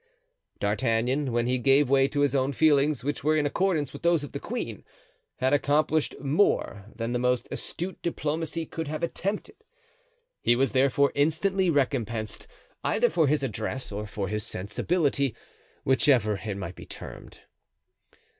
D'Artagnan, when he gave way to his own feelings—which were in accordance with those of the queen—had accomplished more than the most astute diplomacy could have attempted. He was therefore instantly recompensed, either for his address or for his sensibility, whichever it might be termed.